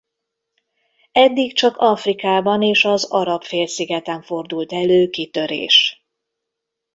Eddig csak Afrikában és az Arab-félszigeten fordult elő kitörés.